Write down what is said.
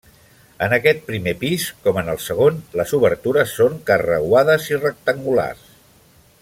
En aquest primer pis, com en el segon, les obertures són carreuades i rectangulars.